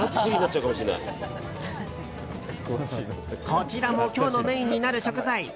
こちらも今日のメインになる食材。